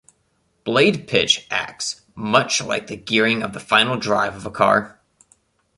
Blade pitch acts much like the gearing of the final drive of a car.